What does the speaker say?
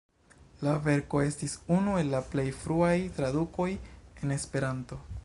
La verko estis unu el la plej fruaj tradukoj en Esperanto.